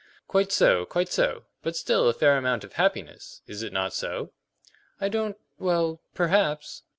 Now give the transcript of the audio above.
"Quite so, quite so; but still a fair amount of happiness. Is it not so?" "I don't well, perhaps."